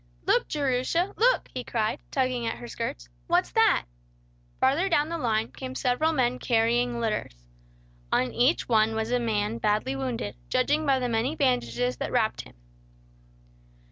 "Look, Jerusha! Look!" he cried, tugging at her skirts. "What's that?" Farther down the line, came several men carrying litters. On each one was a man badly wounded, judging by the many bandages that wrapped him.